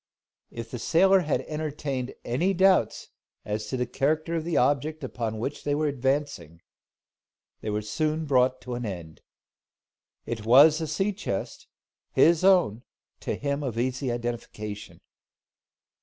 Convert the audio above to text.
If the sailor had entertained any doubts as to the character of the object upon which they were advancing, they were soon brought to an end. It was a sea chest, his own, to him easy of identification.